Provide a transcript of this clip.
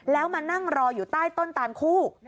แล้วมานั่งรออยู่ใต้ต้นตานคู่